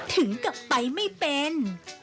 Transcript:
ถึงกลับไปไม่เป็น